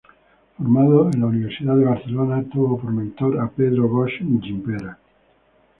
Formado en la Universidad de Barcelona, tuvo por mentor a Pedro Bosch Gimpera.